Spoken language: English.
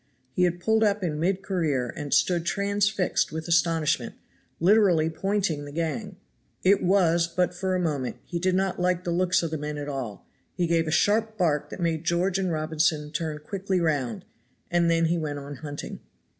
He had pulled up in mid career and stood transfixed with astonishment, literally pointing the gang; it was but for a moment he did not like the looks of the men at all; he gave a sharp bark that made George and Robinson turn quickly round, and then he went on hunting.